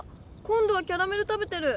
今どはキャラメル食べてる！